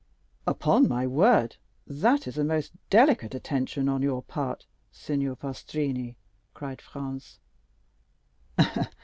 "Upon my word, that is a most delicate attention on your part, Signor Pastrini," cried Franz.